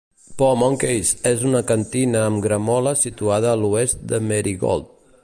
Po 'Monkey's és una cantina amb gramola situada a l'oest de Merigold.